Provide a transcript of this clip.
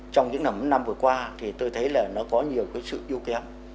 trong những năm vừa qua thì tôi thấy là nó có nhiều sự yêu kém